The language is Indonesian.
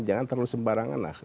jangan terlalu sembarangan lah